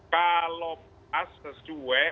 kalau pas sesuai